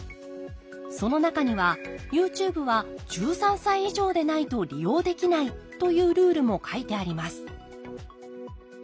その中にはＹｏｕＴｕｂｅは１３歳以上でないと利用できないというルールも書いてあります